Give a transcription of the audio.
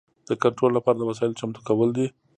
د کنټرول لپاره د وسایلو چمتو کول دي.